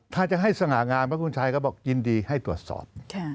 ถ้าจะให้สง่างามพระคุณชัยก็บอกยินดีให้ตรวจสอบ